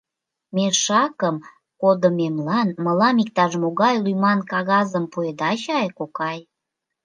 — Мешакым кодымемлан мылам иктаж-могай лӱман кагазым пуэда чай, кокай?